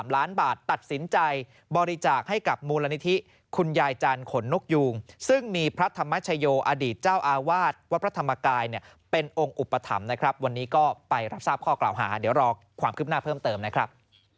ล้านบาทตัดสินใจบริจาคให้กับมูลนิธิคุณยายจันทร์ขนนกยูงซึ่งมีพระธรรมชโยอดีตเจ้าอาวาสวัดพระธรรมกายเนี่ยเป็นองค์อุปถัมภ์นะครับวันนี้ก็ไปรับทราบข้อกล่าวหาเดี๋ยวรอความคืบหน้าเพิ่มเติมนะครับ